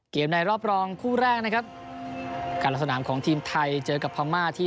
ในรอบรองคู่แรกนะครับการลงสนามของทีมไทยเจอกับพม่าที่